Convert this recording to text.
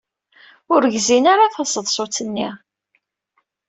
Ur gzin ara taseḍsut-nni.